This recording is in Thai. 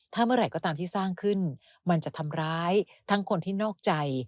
ถ้าเมื่อไหร่ก็ตามที่สร้างขึ้นมันจะทำร้ายทั้งคนที่นอกใจ